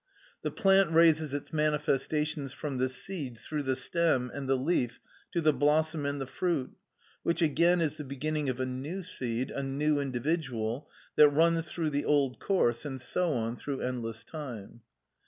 The plant raises its manifestation from the seed through the stem and the leaf to the blossom and the fruit, which again is the beginning of a new seed, a new individual, that runs through the old course, and so on through endless time.